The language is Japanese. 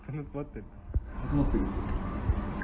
挟まってる。